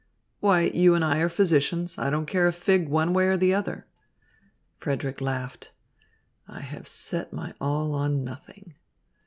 "Why, you and I are physicians. I don't care a fig one way or the other." Frederick laughed. "I have set my all on nothing."